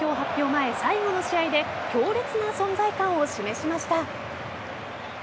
前最後の試合で強烈な存在感を示しました。